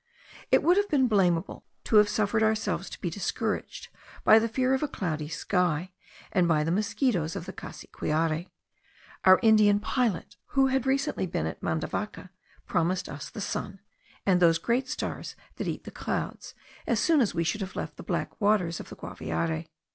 It would have been blamable to have suffered ourselves to be discouraged by the fear of a cloudy sky, and by the mosquitos of the Cassiquiare. Our Indian pilot, who had been recently at Mandavaca, promised us the sun, and those great stars that eat the clouds, as soon as we should have left the black waters of the Guaviare.